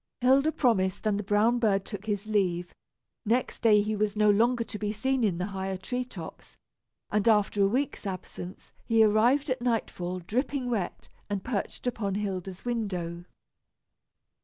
Hilda promised and the brown bird took his leave. Next day he was no longer to be seen in the higher tree tops, and after a week's absence, he arrived at nightfall dripping wet, and perched upon Hilda's window.